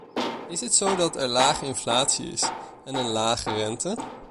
Is het zo dat er lage inflatie is en een lage rente?